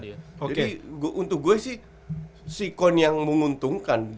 jadi untuk gue sih si koin yang menguntungkan